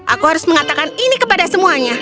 aku harus mengatakan ini kepada semuanya